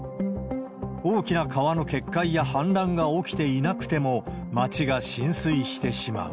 大きな川の決壊や反乱が起きていなくても、町が浸水してしまう。